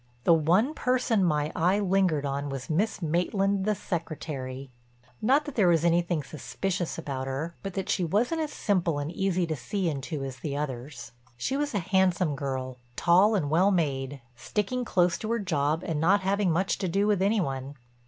The one person my eye lingered on was Miss Maitland the Secretary. Not that there was anything suspicious about her, but that she wasn't as simple and easy to see into as the others. She was a handsome girl, tall and well made, sticking close to her job and not having much to do with any one.